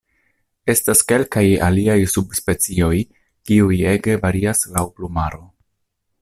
Estas kelkaj aliaj subspecioj kiuj ege varias laŭ plumaro.